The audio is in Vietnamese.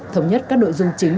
thống nhất các nội dung chính